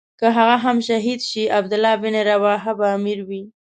که هغه هم شهید شي عبدالله بن رواحه به امیر وي.